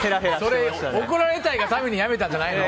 それ怒られたいがためにやめたんじゃないの？